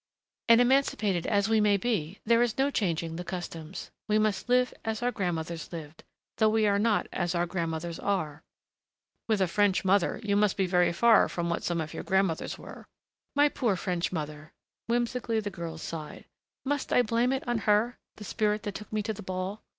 And emancipated as we may be, there is no changing the customs. We must live as our grandmothers lived ... though we are not as our grandmothers are..." "With a French mother, you must be very far from what some of your grandmothers were!" "My poor French mother!" Whimsically the girl sighed. "Must I blame it on her the spirit that took me to the ball?...